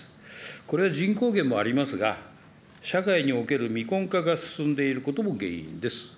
これは人口減もありますが、社会における未婚化が進んでいることも原因です。